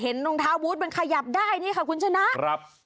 เห็นรองเท้าบูธมันขยับได้เนี่ยค่ะคุณชนะครับ